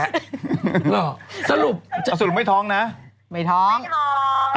เขาบอกคุณชอบพาน้องชมวิวนะ